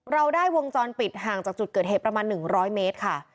เราได้วงจรปิดห่างจากจุดเกิดเหตุประมาณ๑๐๐เมตรค่ะ